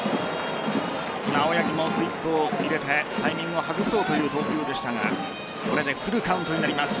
今、青柳もクイックを入れてタイミングを外そうという投球でしたがこれでフルカウントになります。